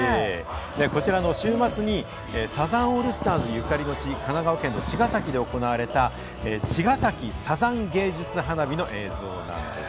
こちら、週末にサザンオールスターズゆかりの地、神奈川県の茅ヶ崎で行われた茅ヶ崎サザン芸術花火の映像なんです。